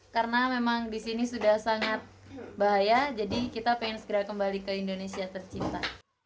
karena memang di sini sudah sangat bahaya jadi kita ingin segera kembali ke indonesia tercinta